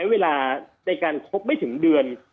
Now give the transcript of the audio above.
เวลาในการครบไม่ถึงเดือน